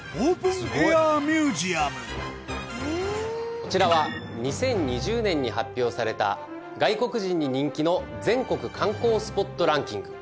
こちらは２０２０年に発表された外国人に人気の全国観光スポットランキング。